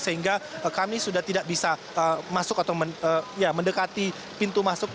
sehingga kami sudah tidak bisa masuk atau mendekati pintu masuk